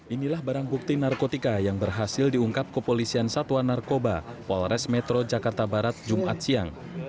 inilah barang bukti narkotika yang berhasil diungkap kepolisian satuan narkoba polres metro jakarta barat jumat siang